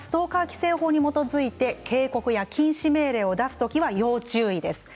警察がストーカー規制法に基づいて警告や禁止命令を出す時は要注意です。